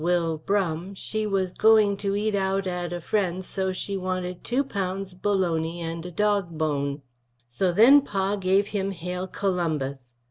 Will Brum, she was going to eat out at a frends so she wanted 2 lbs, bolony & a dog bone. So then Pa give him hale columbus.